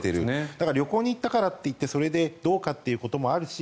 だから旅行に行ったからといってそれでどうかということもあるし